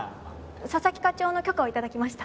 佐々木課長の許可を頂きました。